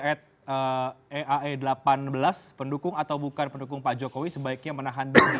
ae delapan belas pendukung atau bukan pendukung pak jokowi sebaiknya menahan diri